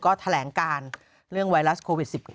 ก็แถลงการเรื่องไวรัสโควิด๑๙